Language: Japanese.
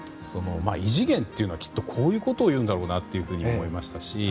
異次元というのはきっとこういうことを言うんだろうなと思いましたし